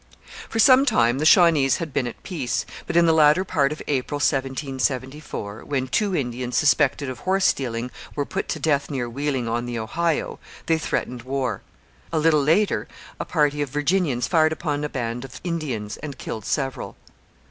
For some time the Shawnees had been at peace, but in the latter part of April 1774, when two Indians suspected of horse stealing were put to death near Wheeling, on the Ohio, they threatened war. A little later a party of Virginians fired upon a band of Indians, and killed several.